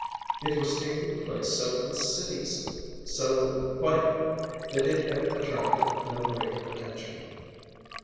It was taking place so insidiously, so quietly, that it had attracted no great attention.